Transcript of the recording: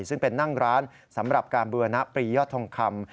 ซึ่งเป็นนั่งร้านสำหรับการบูรณปรียอดทองคำ